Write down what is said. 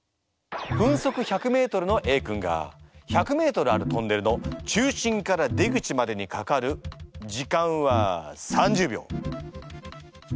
分速１００ｍのＡ君が１００ｍあるトンネルの中心から出口までにかかる時間は３０秒。